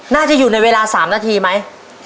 น่าจะอยู่ในเวลา๓นาทีไหม